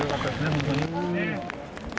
本当にね。